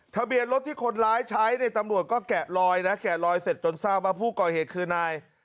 ทะเบียนรถที่คนร้ายใช้เนี่ยตำรวจก็แกะลอยนะแกะลอยเสร็จจนทราบว่าผู้ก่อเหตุคือนาย